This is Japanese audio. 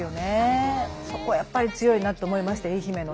そこはやっぱり強いなと思いました愛媛の自然というのは。